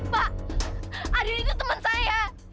pak adil itu temen saya